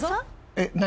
えっ何？